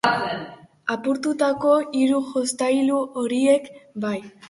Apurtutako hiru jostailu horiek bai.